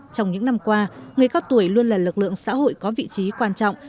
trong những năm qua người cao tuổi luôn là lực lượng xã hội có vị trí quan trọng